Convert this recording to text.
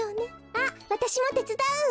あっわたしもてつだう。